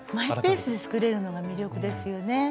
マイペースで作れるのが魅力ですよね。